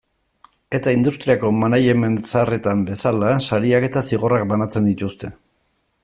Eta industriako management zaharretan bezala, sariak eta zigorrak banatzen dituzte.